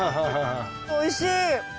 おいしい！